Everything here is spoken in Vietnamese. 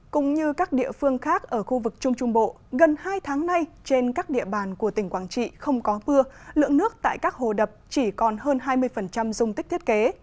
cũng như các địa phương khác ở khu vực trung trung bộ gần hai tháng nay trên các địa bàn của tỉnh quảng trị không có bưa lượng nước tại các hồ đập chỉ còn hơn hai mươi dung tích thiết kế